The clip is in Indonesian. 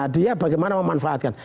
dia bagaimana memanfaatkan